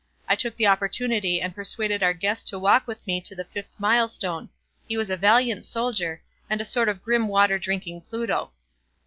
I took the opportunity and persuaded our guest to walk with me to the fifth milestone. He was a valiant soldier, and a sort of grim water drinking Pluto.